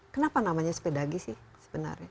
kenapa namanya sepedagi sih sebenarnya